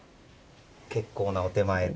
結構なお手前で。